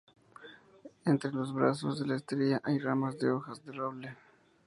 Entre los brazos de la estrella hay ramas de hojas de roble.